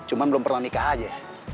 cuma belum pernah nikah aja